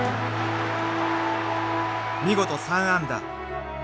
［見事３安打］